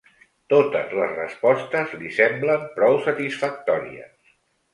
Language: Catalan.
Totes les respostes li semblen prou satisfactòries.